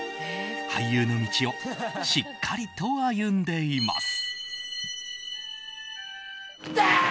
俳優の道をしっかりと歩んでいます。